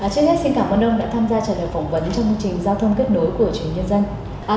trước hết xin cảm ơn ông đã tham gia trả lời phỏng vấn trong công trình giao thông kết nối của chủ nhật nhân dân